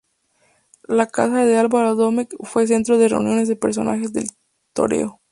La casa de Álvaro Domecq fue centro de reuniones de personajes del toreo.